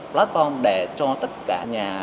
platform để cho tất cả nhà